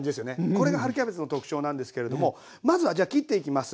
これが春キャベツの特徴なんですけれどもまずはじゃ切っていきます。